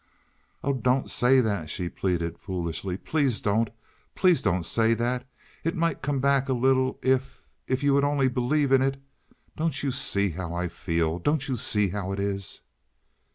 "Oh, don't say that!" she pleaded, foolishly. "Please don't. Please don't say that. It might come back a little if—if—you would only believe in it. Don't you see how I feel? Don't you see how it is?"